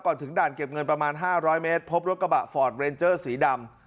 ถึงด่านเก็บเงินประมาณ๕๐๐เมตรพบรถกระบะฟอร์ดเรนเจอร์สีดำ